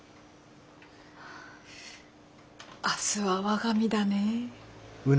明日は我が身だね。